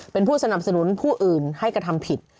เป็นผู้สนับสนุนผู้อื่นให้กระทำผิด